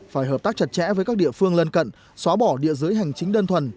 phải hợp tác chặt chẽ với các địa phương lân cận xóa bỏ địa giới hành chính đơn thuần